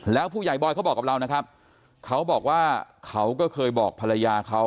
แล้วผู้ใหญ่บอยเขาบอกกับเรานะครับเขาบอกว่าเขาก็เคยบอกภรรยาเขา